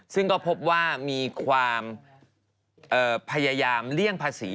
ซึ่งก็พบว่ามีความพยายามเลี่ยงภาษี